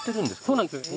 そうなんです